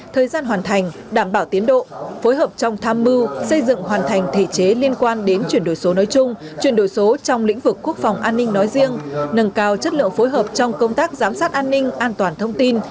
thời gian hoàn thành đảm bảo tiến độ phối hợp trong tham mưu xây dựng hoàn thành thể chế liên quan đến chuyển đổi số nói chung chuyển đổi số trong lĩnh vực quốc phòng an ninh nói riêng nâng cao chất lượng phối hợp trong công tác giám sát an ninh an toàn thông tin